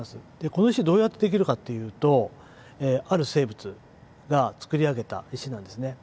この石どうやってできるかっていうとある生物が作り上げた石なんですね。